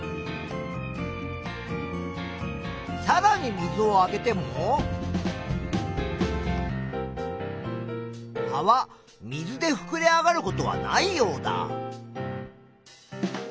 さらに水をあげても葉は水でふくれ上がることはないようだ。